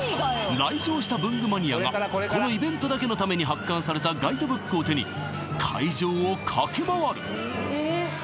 来場した文具マニアがこのイベントだけのために発刊されたガイドブックを手に会場を駆け回る！